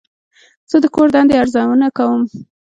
زه د کور دندې ارزونه کوم.